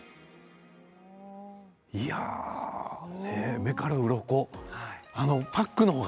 目からうろこ。